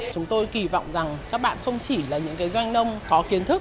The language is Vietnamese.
chúng tôi kỳ vọng rằng các bạn không chỉ là những doanh nông có kiến thức